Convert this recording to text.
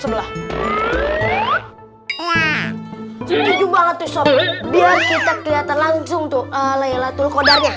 seperti itu banget kita besok biar kita lihat langsung tuh ah layla tuo kodanya